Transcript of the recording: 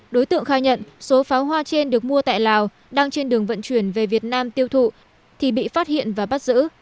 đối tượng khai nhận số pháo hoa trên được mua tại lào đang trên đường vận chuyển về việt nam tiêu thụ thì bị phát hiện và bắt giữ